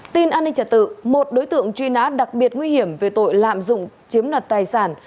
tin an ninh trả tự một đối tượng truy nã đặc biệt nguy hiểm về tội lạm dụng chiếm đoạt tài sản